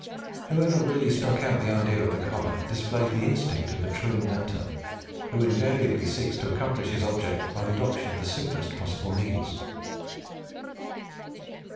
Whoever really struck out the idea of the collar, displayed the instinct of the true inventor, who invariably seeks to accomplish his object by the adoption of the simplest possible means.